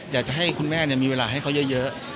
อยากจะให้คุณแม่มีเวลาให้เขาเยอะ